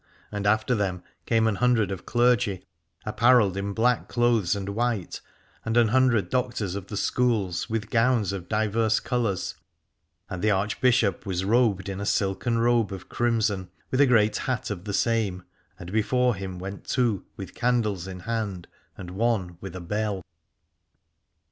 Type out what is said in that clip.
And after them came an hundred of clergy, ap parelled in black clothes and white, and an hundred doctors of the schools with gowns of divers colours: and the Archbishop was robed in a silken robe of crimson with a great hat of the same, and before him went two with candles in hand, and one with a bell.